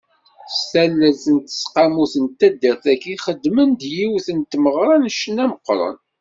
S tallelt n teseqqamut n taddar-agi, xedmen-d yiwet n tmeɣra n ccna meqqren.